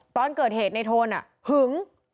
ตอนเกิดเหตุของโทนอ่ะหึง